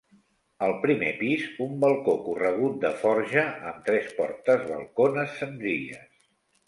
Al primer pis, un balcó corregut de forja amb tres portes balcones senzilles.